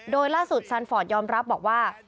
โดยล่าสุดซันฟอร์ดยอมรับบอกว่า